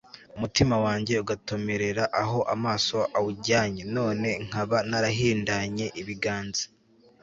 umutima wanjye ugatomerera aho amaso awujyanye, none nkaba narahindanye ibiganza